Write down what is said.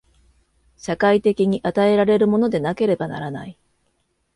社会的に与えられるものでなければならない。